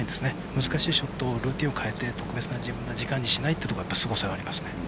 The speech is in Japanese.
難しいショットをルーティンを変えて特別なものにしないというすごさがありますね。